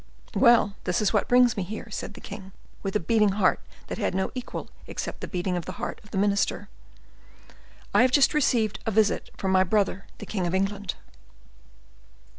"Well, this is what brings me here," said the king, with a beating of the heart that had no equal except the beating of the heart of the minister; "I have just received a visit from my brother, the king of England."